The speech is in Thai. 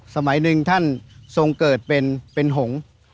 สมัยนึงท่านทรงเกิดเป็นเป็นหง